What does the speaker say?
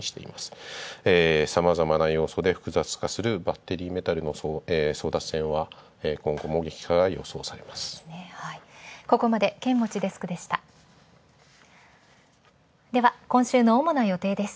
さまざまな要素で複雑化するバッテリーメタルの争奪戦は今後も激化が予想されます。